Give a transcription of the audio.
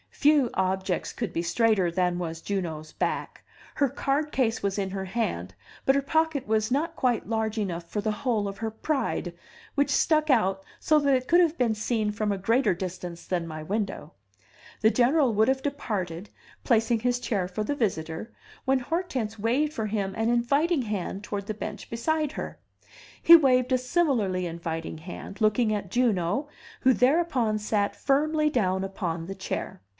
Few objects could be straighter than was Juno's back; her card case was in her hand, but her pocket was not quite large enough for the whole of her pride, which stuck out so that it could have been seen from a greater distance than my window. The General would have departed, placing his chair for the visitor, when Hortense waved for him an inviting hand toward the bench beside her; he waved a similarly inviting hand, looking at Juno, who thereupon sat firmly down upon the chair.